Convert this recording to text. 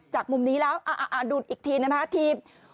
จากมุมนี้แล้วอ่ะอ่ะอ่ะดูดอีกทีนะฮะถีบ